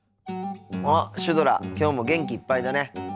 あっシュドラきょうも元気いっぱいだね。